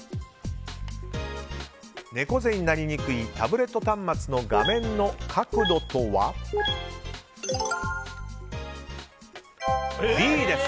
猫背になりにくいタブレット端末の画面の角度とはＢです。